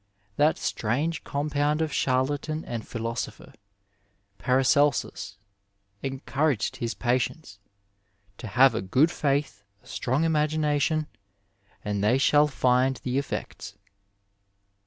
That strange compound of charlatan and philosopher, Paracelsus, encouraged his patients '' to have a good faith, a strong imagination, and they shall find the effects" (Burton).